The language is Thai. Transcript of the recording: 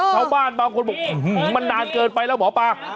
ชาวบ้านบางคนบอกมันนานเกินไปแล้วหมอปลา